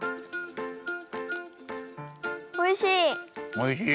おいしい！